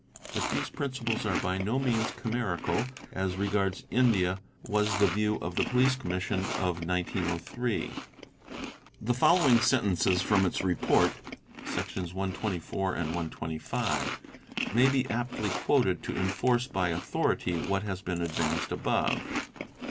That these principles are by no means chimerical as regards India _ was the view of the Police Commission of 1903. The following sentences _ from its Report (Sections 124 and 125) may be aptly quoted to enforce by authority what has been advanced above.